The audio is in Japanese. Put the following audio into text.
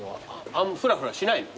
あんまフラフラしないの？